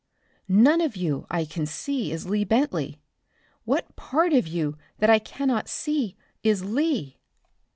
None of you I can see is Lee Bentley. What part of you that I cannot see is Lee?"